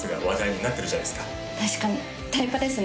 確かにタイパですね